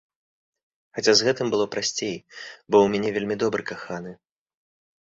Хаця з гэтым было прасцей, бо ў мяне вельмі добры каханы.